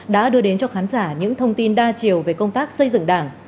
đã đưa đến cho khán giả những thông tin đa chiều về công tác xây dựng đảng